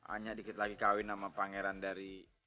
anya sedikit lagi kahwin sama pangeran dari